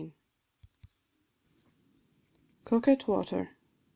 COQUET WATER.